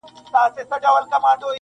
• لکه خروښ د شګوفو د پسرلیو -